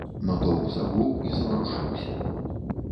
Натоўп загуў і заварушыўся.